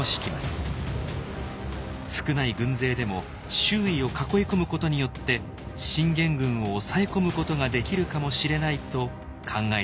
少ない軍勢でも周囲を囲い込むことによって信玄軍を抑え込むことができるかもしれないと考えたのでしょうか。